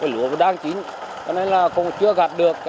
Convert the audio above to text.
lúa đang chín cho nên là cũng chưa gạt được